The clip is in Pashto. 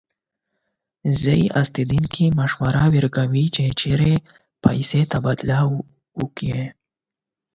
ځایی اوسیدونکی مشوره ورکوي چې چیرته پیسې تبادله کړي.